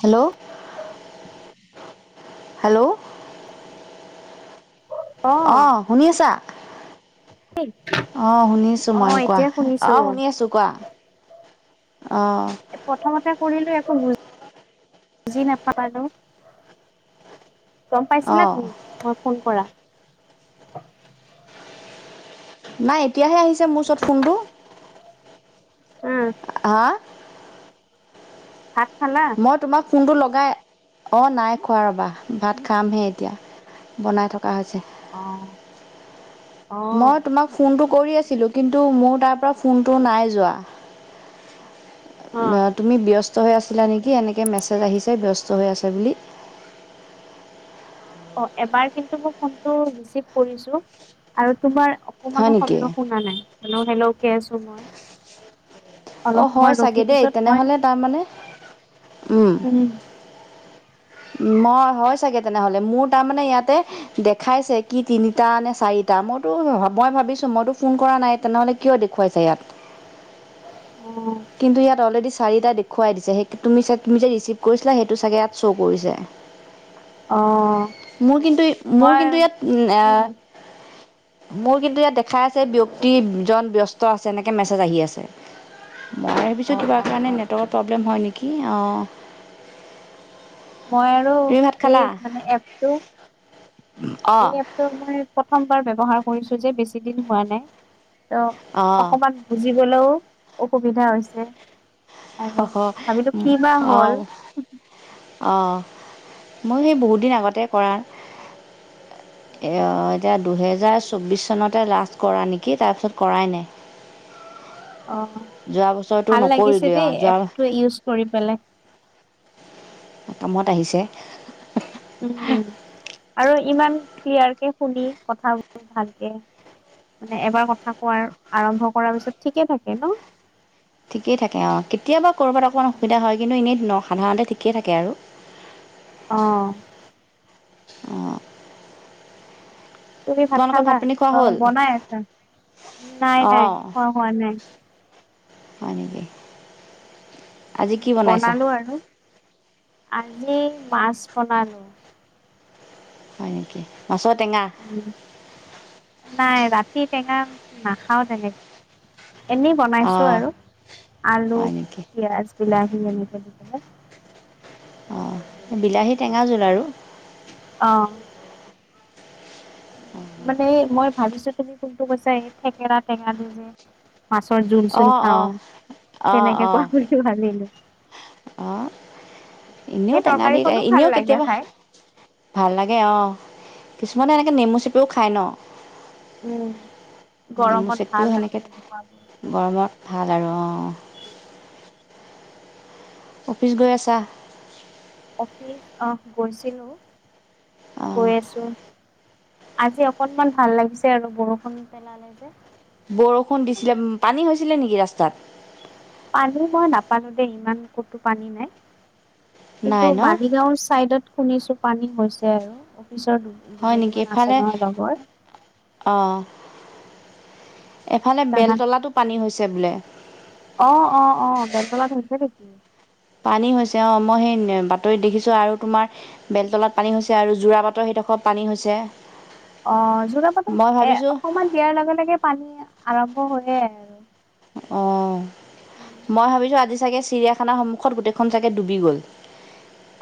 Hello, hello, অ, শুনিছা। অ, শুনিছো অ', ময়ো, কোৱা এতিয়া শুনিছো অহ, শুনি আছো কোৱা। অ, প্ৰথমতে কৰিলো, একো বুজি নাপালো। গম পাইছিলা অঁ তুমি, মই ফোন কৰা। নাই এতিয়াহে আহিছে মোৰ ওচৰত ফোনটো। উম। হা। ভাত খালা। মই তোমাক ফোনটো লগাই অ নাই খোৱা ৰবা ভাত খামহে এতিয়া। বনাই থকা হৈছে অ', অ', মই তোমাক। ফোনটো কৰি আছিলোঁ কিন্তু মোৰ তাৰ পৰা ফোনটো নাই যোৱা। অ', তুমি ব্যস্ত হৈ আছিলা নেকি এনেকে মেছেজ আহিছে ব্যস্ত হৈ আছে বুলি। অ এবাৰ কিন্তু মোৰ ফোনটো ৰিচিভ কৰিছো আৰু তোমাৰ। একো হয় মানো নেকি শব্দ শুনা নাই হেল্ল কে আছো ম। অঁ অলপ হয় সময় চাগে ৰখি দেই পিছত মই তেনেহ'লে তাৰমানে উম। মই হয় চাগে তেনেহ'লে মোৰ তাৰমানে ইয়াতে। দেখাইছে কি তিনিটা নে চাৰিটা মইতো মই ভাবিছো মইতো ফোন কৰা নাই তেনেহ'লে। কিয় দেখুৱাইছে ইয়াত। অ। কিন্তু ইয়াত অলৰেডি চাৰিটা দেখুৱাই দিছে সেই তুমি যে তুমি যে ৰিচিভ কৰিছিলা সেইটো চাগে ইয়াত শ্ব' কৰিছে। অ। মোৰ কিন্তু মোৰ মই কিন্তু ইয়াত আ। উম, মোৰ কিন্তু ইয়াত দেখাই আছে ব্যক্তিজন ব্যস্ত আছে এনেকৈ মেছেজ আহি আছে। মই ভাবিছোঁ অ', কিবা অ', কাৰণে অ', নেটৱৰ্কত প্ৰব্লেম হয় নেকি অঁ। মই আৰু তুমি ভাত এই খালা মানে এপটো অঁ এইএপ। ত' মই প্ৰথমবাৰ ব্যৱহাৰ কৰিছো যে বেছি দিন হোৱা নাই অ' অঁ অকমান। বুজিবলও অসুবিধা হৈছে আৰু ভাবিলোঁ কি বা অঁ হ'ল অঁ মই সেই বহুত দিন আগতে কৰা। এয় দুহেজাৰ চৌবিছ চনতে লাষ্ট কৰা নেকি তাৰপিছত কৰাই নাই। অঁ যোৱা বছৰটো ভাল লাগিছে নকৰিলোৱে দেই আৰু যোৱা এপটো ইউজ কৰি পেলাই। কামত আহিছে। উম আৰু ইমান ক্লিয়াৰ কে শুনি কথাবোৰ ভালকে। মানে এবাৰ কথা কোৱাৰ আৰম্ভ কৰাৰ পিছত ঠিকে থাকে ন। ঠিকেই থাকে অঁ কেতিয়াবা ক'ৰবাত অকণমান অসুবিধা হয় কিন্তু এনেই ন সাধাৰণতে ঠিকেই থাকে আৰু। অ। অ। তুমি ভাত খালা পানী খোৱা অ হ'ল বনাই আছা নাই নাই অঁ খোৱা হোৱা নাই। হয় নেকি। আজি কি বনাইছা বনালো আৰু আজি মাছ বনালো। হয় নেকি মাছৰ টেঙা। উম নাই ৰাতি টেঙা নাখাও তেনে। এনেই বনাইছো অঁ আৰু আলু হয় নেকি পিয়াজ বিলাহী এনেকে দি পেলাই। অঁ বিলাহী টেঙা জোল আৰু। অ। মানে মই ভাবিছো তুমি কোনটো কৈছা এই থেকেৰা টেঙাটো যে। মাছৰ জোল চোল অঁ খাওঁ অঁ সেনেকে কোৱা বুলি ভাবিলো। আ এনেও সেই টেঙা দি তৰকাৰীখনো ভাল এনেও লাগে কেতিয়াবা। খাই। ভাল লাগে অ কিছুমানে এনেকে নেমু চেপিও খায় ন। উম, নেমু গৰমত ভাল চেপিও আৰু সেনেকে তেনেকুৱাবোৰ গৰমত ভাল আৰু অঁ। অফিচ গৈ আছা অফিচ গৈছিলোঁ অ গৈ আছোঁ আজি অকনমান ভাল লাগিছে আৰু বৰষুণ পেলালে যে বৰষুণ দিছিলে পানী হৈছিলে নেকি ৰাস্তাত পানী মই নাপালো দেই ইমান কতো পানী নাই নাই কিন্তু ন মালিগাঁওৰ চাইডত শুনিছো পানী হৈছে আৰু অফিচৰ দুজনী মান আছে নহয় লগৰ অঁ এফালে তাহাত বেলতলাতো পানী হৈছে বোলে অ অ অ বেলতলাত হৈছে নেকি পানী হৈছে অ মই সেই বাতৰিত দেখিছো আৰু তোমাৰ বেলতলাত পানী হৈছে আৰু জোৰা বাটৰ সেইডোখৰত পানী হৈছে অ যোৰাবাটত মই এ ভাবিছোঁ অকমান দিয়াৰ লগে লগে পানী আৰম্ভ হয়য়ে আৰু অঁ মই ভাবিছোঁ আজি চাগে চিৰিয়াখানাৰ সন্মুখত গোটেইখন চাগে ডুবি গ'ল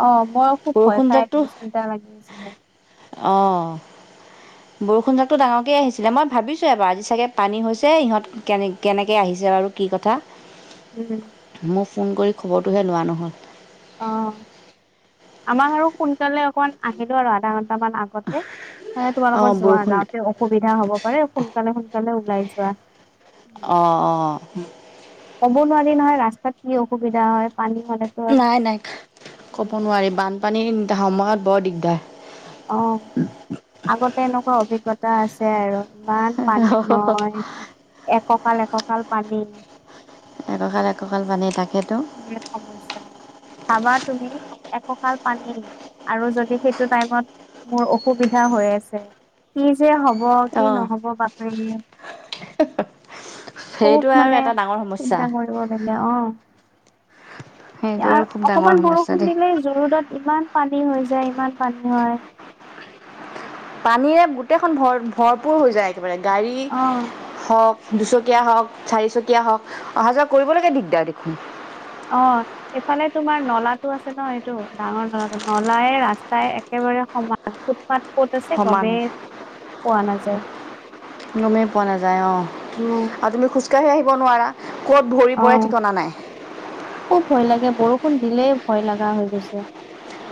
অ মই খুব ভয় খাই বৰষুণজাকতো আছিলো চিন্তা লাগি আছিলে অ বৰষুণ যাকটো ডাঙৰকে আহিছে মই ভাবিছোঁ এবাৰ আজি চাগে পানী হৈছে ইহঁত কেনে কেনেকে আহিছে আৰু কি কথা উম মোক ফোন কৰি খবৰটোহে লোৱা নহ'ল অ আমাক আৰু সোনকালে অকমান আহিলো আৰু আধা ঘন্টামান আগ মানে অঁ তোমালোকৰ যোৱা বৰষুণ যাওঁতে অসুবিধা হব পাৰে সোনকালে সোনকালে ওলাই যোৱা অ অ ক'ব নোৱাৰি নহয় ৰাস্তাত কি অসুবিধা হয় পানী হ'লে নাই নাই ক'ব নোৱাৰি বানপানীৰ সময়ত বৰ দিগদাৰ অ আগতে এনেকুৱা অভিজ্ঞতা আছে আৰু ইমান পানী হয় এককাল এককাল পানী একঁকাল এককাল পানী তাকেতো বিৰাট সমস্যা ভাবা তুমি এককাল পানী আৰু যদি সেইটো টাইমত মোৰ অসুবিধা হৈ আছে কি যে হব কি অঁ নহব বাতৰি সেইটো বহুত আৰু মানে এটা ডাঙৰ সমস্যা চিন্তা কৰিবলগীয়া অ সেইটো আৰু খুব ইয়াত ডাঙৰ অকমান সমস্যা বৰষুণ দেই দিলে জুৰুডত ইমান পানী হৈ যায় ইমান পানী হয় পানীৰে গোটেইখন ভৰ ভৰপূৰ হৈ যায় একেবাৰে গাড়ী অ হওক দুচকীয়া হওক চাৰিচকীয়া হওক অহা যোৱা কৰিবলৈকে দিগদাৰ দেখোন অ এইফালে তোমাৰ নলাটো আছে ন এইটো ডাঙৰ নলাটো নলাই ৰাস্তাই একেবাৰে সমান বাত কত আছে সমান গমেই পোৱা নাযায় গমেই পোৱা নাযায় অ উম আৰু তুমি খোজকাঢ়ি আহিব নোৱাৰা কত ভৰি অ পৰে ঠিকনা নাই খুব ভয় লাগে বৰষুণ দিলেই ভয় লাগা হৈ গৈছে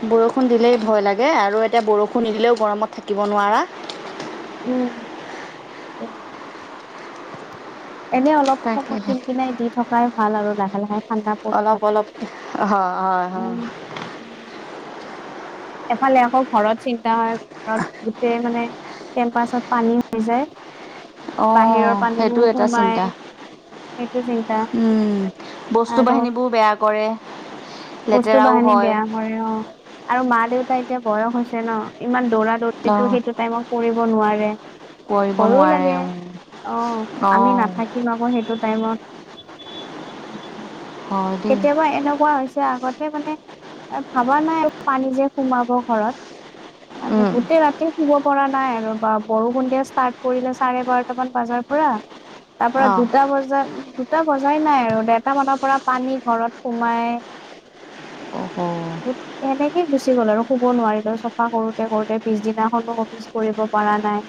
বৰষুণ দিলেই ভয় লাগে আৰু এতিয়া বৰষুণ নিদিলেও গৰমত থাকিব নোৱাৰা উম এনেই অলপ সময় তাকেহে কিন কিনাই দি থকাই ভাল আৰু লাহে লাহে ঠাণ্ডা পৰি অলপ থাকক। অলপ হয় হয় হয় উম। এফালে আকৌ ঘৰত চিন্তা হয় ঘৰত গোটেই মানে কেম্পাছত পানী হৈ যায়। অ বাহিৰৰ সেইটো পানীবোৰ এটা সোমাই চিন্তা। সেইটো চিন্তা উম বস্তু আৰু বাহিনী বোৰ বেয়া কৰে। বস্তু লেতেৰাও বাহানি হয়। বেয়া হয় অ আৰু মা দেউতা এতিয়া বয়স হৈছে ন ইমান দৌৰা দৌ। এইটো অঁ সেইটো টাইমত কৰিব নোৱাৰে। কৰিব ভৈয়ো নোৱাৰে লাগে অঁ অ আমি অঁ নাথা। কিম আকৌ সেইটো টাইমত হয় দেই কেতিয়াবা এনেকুৱা হৈছ। আগতে মানে ভাবা নাই আৰু পানী যে সোমাব ঘৰত। আৰু গোটেই ৰাতি। শুব পৰা নাই আৰু বা বৰষুণ দিয়া ষ্টাৰ্ট কৰিলে চাৰে বাৰটামান বাজাৰ পৰা। তাৰ পৰা অঁ দুটা বজাত দুটা বজাই নাই আৰু দেৰটা মানৰ পৰা পানী ঘৰত সোমাই। অ অ। [unintelligible] এনেকেই গুচি গ'ল আৰু শুব নোৱাৰিলো চাফা কৰোতে কৰোতে পিছদিনাখনো অফিচ কৰিব পৰা নাই।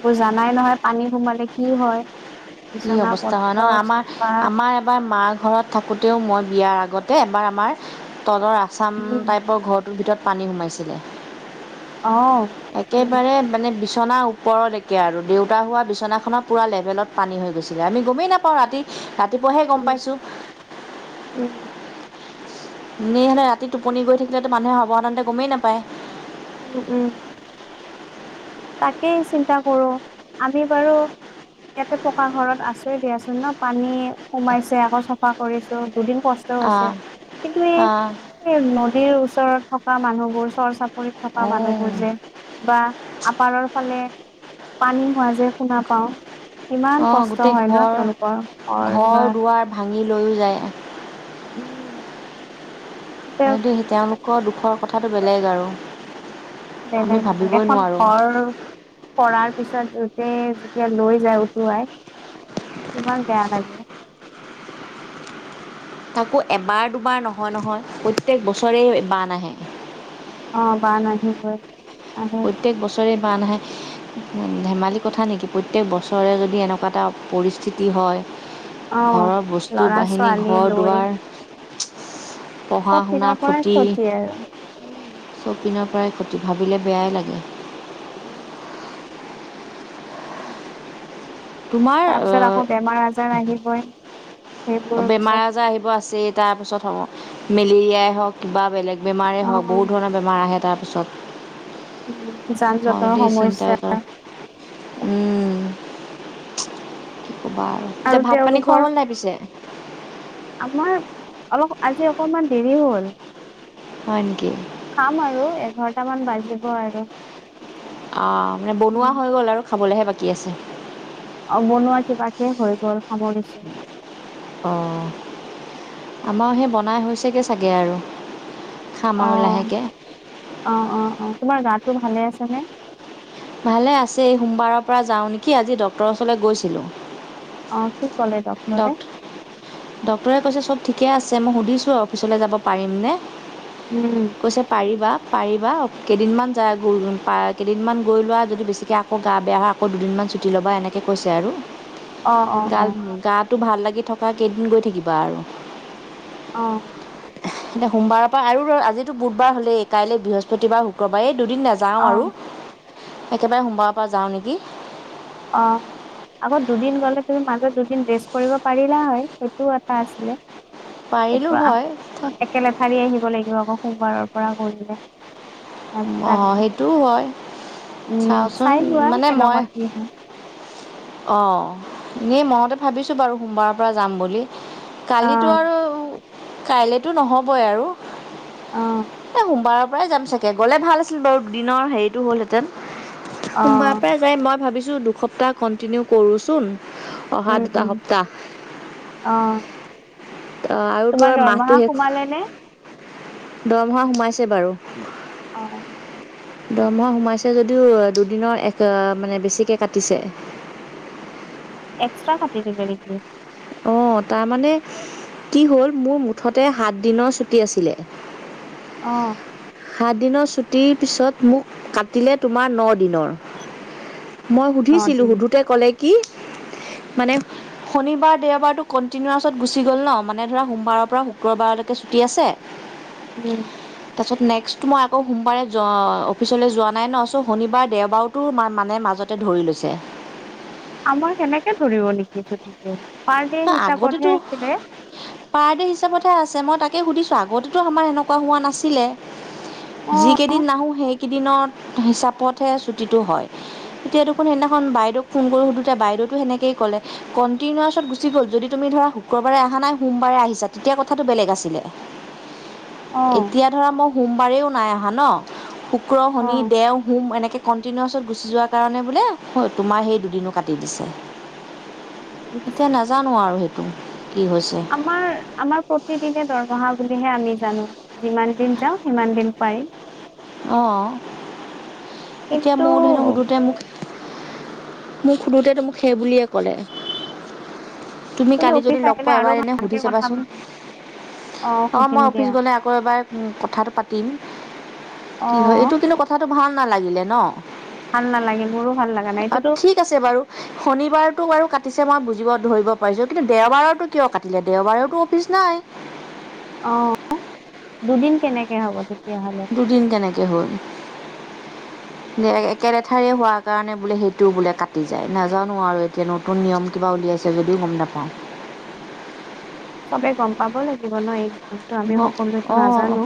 এইবোৰ জানাই নহয় পানী সোমালে কি হয়। কি বিচনা অৱস্থা হয় পত্ৰ ন আমাৰ চোফা আমাৰ এবাৰ মাৰ ঘৰত। থাকোঁতেও মই বিয়াৰ আগতে এবাৰ আমাৰ তলৰ আচাম উম টাইপৰ ঘত। টোৰ ভিতৰত পানী সোমাইছিলে। অ। উম একেবাৰে মানে বিছ। বিচনাৰ ওপৰলৈকে আৰু দেউতা হোৱা বিচনাখনত পুৰা লেভেলত পানী হৈ গৈছিলে আমি গমেই নাপাওঁ ৰাতি। ৰাতিপুৱাহে গম উম পাইছো। উম। এনে হলে ৰাতি টোপনি গৈ থাকিলেতো মানুহে সাধাৰণতে গমেই নাপায়। উম উম। তাকেই চিন্তা কৰোঁ আমি বাৰু। ইয়াতে পকা ঘৰত আচো দিয়াচোন ন পানী সোমাইছে আকৌ চাফা কৰিছো দুদিন কষ। ট হৈছে অঁ কিন্তু এই অঁ নদীৰ ওচৰত থকা মানুহবোৰ চৰ চাপৰি। থকা অঁ মানুহবোৰ যে বা আপাৰৰ ফালে পানী হোৱা যে। শুনা পাও কিমান অঁ কষ্ট গোটেই হয় ন ঘৰ তেওঁলোকৰ ঘৰ দুৱাৰ। ভাঙি লৈও যায়। উম। সেইটো তেওঁলোকৰ দুখৰ কথাটো বেলেগ আৰু। আমি বেলেগ [inaudible] ভাবিবই এখন নোৱাৰোঁ ঘৰ। কৰাৰ পিছত সোঁতে যেতিয়া লৈ যায় উটুৱাই। ইমান বেয়া লাগ। তাকো এবাৰ দুবাৰ নহয় নহয় প্ৰত্যেক বছৰেই বান আহে। অ বান আহিবই। আহে প্ৰত্যেক বছৰে বান আহে। ধেমালি কথা নেকি প্ৰত্যেক বছৰে যদি এনেকুৱা এটা পৰিস্থিতি হয়। অ' ঘৰৰ বস্তু ল'ৰা বাহিনী ছোৱালী ঘৰ লৈ দুৱাৰ। পঢ়া চব শুনা পিনৰ পৰাই ক্ষতি আৰু উম। চব পিনৰ পৰাই ক্ষতি ভাবিলে বেয়াই লাগে। [inaudible] [inaudible] তোমাৰ অ, তাৰপিছত আকৌ বেমাৰ আজাৰ আহিবই সেইবোৰৰ পিছত বেমাৰ-আজাৰ আহিব আছেই। তাৰপিছত হ'ব। মেলেৰিয়াই হওঁক, কিবা বেলেগ বেমাৰেেই হওঁক। অ' বহুত ধৰণৰ বেমাৰ আহে তাৰপিছত। যান হয় জঁটৰ দেই, সমস্যা চিন্তাই কৰ। উম। কি ক'বা আৰু তিয়া ভাত পানী খোৱা হ'ল নাই পিছে? আমাৰ, অলপ আজি অকনমান দেৰি হ'ল। হয় নেকি। খাম আৰু এঘাৰটামান বাজিব আৰু। [unintelligible] অ' মানে বনোৱা উম, হৈ গ'ল আৰু খাবলৈহে বাকী আছে। অ', বনোৱা কিবাকে হৈ গ'ল সামৰিছোঁ। অ', আমাৰ সেই বনাই হৈছেগে চাগে আৰু। খাম আৰু অ'। লাহেকে। অ। অ। অ। তোমাৰ গাটো ভালে আছেনে? ভালে আছে। এই সোমবাৰৰ পৰা যাওঁ নেকি, আজি ডক্টৰৰ ওচৰলৈ গৈছিলোঁ। অ', কি ক'লে ডক্টৰে? ডক্ট ডক্টৰে কৈছে- চব ঠিকে আছে। মই সুধিছোঁ আউ অফিচলৈ যাব পাৰিম নে? উম। কৈছে পাৰিবা। পাৰিবা। কেইদিনমান যাই [unintelligible] কেইদিনমান গৈ লোৱা যদি বেছিকৈ আ কো গা-বেয়া হয়। আকৌ দুদিনমান ছুটি ল'বা, এনেকৈ কৈছে আৰু। অ', অ', গাল অ', গাটো ভাল লাগি থকা কেইদিন গৈ থাকিবা আৰু। অ'। এতিয়া সোমবাৰৰ পৰা আৰু আজিতো বুধবাৰ হ'লেই, কাইলৈ বৃহস্পতিবাৰ, শুক্ৰবাৰ এই দুদিন নাযা যাওঁ আৰু, অ'। একেবাৰে সোমবাৰৰ পৰা যাওঁ নেকি। অ'। আগত দুদিন গ'লে তুমি মাজত দুদিন ৰেষ্ট কৰিব পাৰিলা হয়, সেইটোও এটা আছিলে। পাৰিলোঁ হয়। [unintelligible] একেলেথাৰিয়ে আহিব লাগিব আকৌ সোমবাৰৰ পৰা কৰিলে। পাঁচটা অ' দিন। সেইটোও হয়। উম, চাওচোন চাই লোৱা মানে মই কেনেকুৱা কি হয় অ, এনেই মনতে ভাবিছোঁ বাৰু সোমবাৰৰ পৰা যাম বুলি। কালিতো অ', আৰু, কাইলেতো নহ'বই আৰু অ', এ' সোমবাৰৰ পৰাই যাম চাগে। গ'লে ভাল আছিল বাৰু দিনৰ হেৰিটো হ'লহেঁতেন। সোমবাৰৰ অ'। পৰাই টোৱেই মই ভাবিছো দুসপ্তাহ কন্টিনিউ কৰোচোন, অহা উম, দুটা উম, সপ্তাহ। অ'। অ, আৰু তোৰ তোমাৰ আ মাহটো দৰমহা শেষ, সোমালে নে? দৰমহা সোমাইছে বাৰু। অ'। দৰমহা সোমাইছে যদিও দুদিনৰ এক মানে বেছিকে কাটিছে। এক্সট্ৰা কাতি দিলে নেকি? অ, তাৰ মানে কি হ'ল-মোৰ মুঠতে সাত দিনৰ ছুটি আছিলে। অ। সাত দিনৰ ছুটীৰ পিছত মোক কাটিলে তোমাৰ ন' দিনৰ। মই সুধিছিলোঁ- নদিন সুধোতে ক'লে কি মানে শনিবাৰ দেওবাৰটো কণ্টিনিউছত গুচি গ'ল ন' মানে ধৰা সোমবাৰৰ পৰা শুক্ৰবাৰলৈকে ছুটি আছে। [unintelligible] উম পাছত নাই নেক্সট মই আকৌ সোমবাৰে অফিচলৈ যোৱা নাই ন চ' শনিবাৰ দেওবাৰতো মানে মাজতে ধৰি লৈছে আমাৰ সেনেকে ধৰিব নেকি ছুটিটো পাৰ দে আগতেতো হিচাপতহে আছিলে পাৰ ডে' হিচাপতহে আছে মই তাকে সুধিছোঁ আগতেতো আমাৰ এনেকুৱা হোৱা নাছিলে যি অ', কেইদিন নাহো সেইকেইদিনত হিচাপতহে ছুটীটো হয় তেতিয়া দেখোন সেইদিনাখন বাইদেউক ফোন কৰি সুধোতে বাইদেউটো সেনেকেই কলে কনটিনোৱাচ গুচি গ'ল যদি তুমি ধৰা শুক্ৰবাৰে অহা নাই সোমবাৰে আহিছা তেতিয়া কথাটো বেলেগ আছিলে অ', এতিয়া ধৰা মই সোমবাৰেও নাই অহা ন শুক্ৰ শনি অ', দেও হোম এনেকে কণ্টিনিউৱাছত গুচি যোৱাৰ কাৰণে বোলে তোমাৰ সেই দুদিনো কাটি দিছে উ এতিয়া নাজানো আৰু সেইটো কি হৈছে আমাৰ আমাৰ প্ৰতিদিনে দৰমহা বুলিহে আমি জানো যিমান দিন যাওঁ সিমান দিন পাই অঁ এতিয়া কিন্তু ময়ো ধেনো সুধোতে মোক মোক সোধোতে টো মোক সেই বুলিয়ে ক'লে তুমি কালি যদি অফিচ লগ আহিলে পোৱা আৰু এবাৰ এনে সুধি ভালকে কথা চাবাচোন পাতিম অ সুধিম মই অফিচ দিয়া গলে আকৌ এবাৰ কথাটো পাতিম অ কি হয় এইটো কিন্তু কথাটো ভাল নালাগিলে ন ভাল নালাগিল মোৰো ভাল লাগা নাই অঁ এইটোতো ঠিক আছে বাৰু শনিবাৰতো বাৰু কাটিছে মই বুজিব ধৰিব পাৰিছোঁ কিন্তু দেওবাৰতো কিয় কাটিলে দেওবাৰেতো অফিচ নাই অ দুদিন কেনেকে হ'ব তেতিয়াহলে দুদিন কেনেকে হ'ল [inaudible] একে লেথাৰিয়ে হোৱা কাৰণে বোলে সেইটোও বোলে কাটি যায় নাজানো আৰু এতিয়া ন নতুন নিয়ম কিবা উলিয়াইছে যদিও গম নাপাওঁ চবে গম পাব লাগিব ন এই নিয়মটো আমি সকলোৱোতো অঁ নাজানো